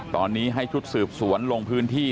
ตอนนี้ให้ชุดสืบสวนลงพื้นที่